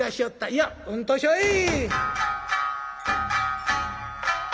「いやうんとしょい」。